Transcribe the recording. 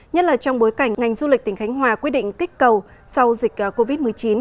nhất là trong bối cảnh ngành du lịch tỉnh khánh hòa quyết định kích cầu sau dịch covid một mươi chín